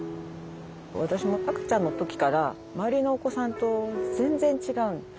私も赤ちゃんの時から周りのお子さんと全然違う。